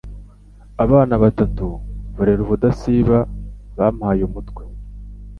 Abana batatu barira ubudasiba bampaye umutwe.